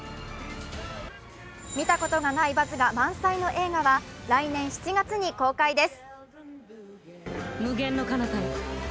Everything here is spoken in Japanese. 見たことがないバズが満載の映画は来年７月に公開です。